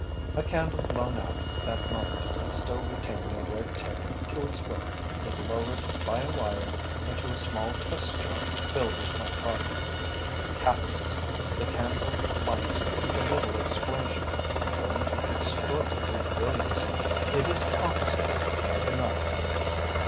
A candle blown out that moment and still retaining a red tip to its wick is lowered by a wire into a small test jar filled with my product. Capital! The candle lights with a little explosion and burns with extraordinary brilliancy. It is oxygen right enough.